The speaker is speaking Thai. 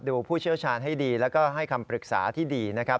ผู้เชี่ยวชาญให้ดีแล้วก็ให้คำปรึกษาที่ดีนะครับ